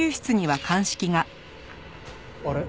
あれ？